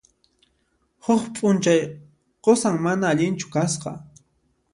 Huk p'unchay qusan mana allinchu kasqa.